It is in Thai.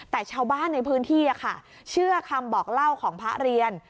แต่ชาวบ้านในพื้นที่เชื่อคำบอกเล่าของพระเรียน